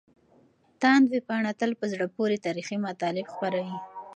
تاند ویبپاڼه تل په زړه پورې تاريخي مطالب خپروي.